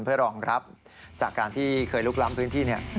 เพื่อรองรับจากการที่เคยลุกล้ำพื้นที่